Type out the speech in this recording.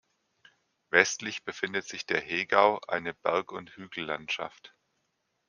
Westlich befindet sich der Hegau, eine Berg- und Hügellandschaft.